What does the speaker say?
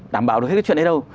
đảm bảo được hết cái chuyện ấy đâu